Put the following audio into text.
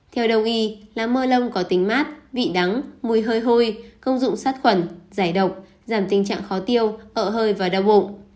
theo đồng ý lá mơ lông có tính mát vị đắng mùi hơi hôi công dụng sát khuẩn giải độc giảm tình trạng khó tiêu ợ hơi và đau bụng